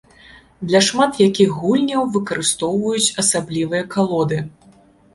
Для шмат якіх гульняў выкарыстоўваюць асаблівыя калоды.